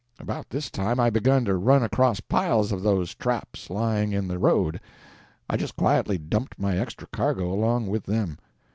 About this time I begun to run across piles of those traps, lying in the road. I just quietly dumped my extra cargo along with them.